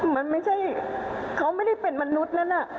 มันไม่ใช่เขาไม่ได้เป็นมนุษย์แล้วนะ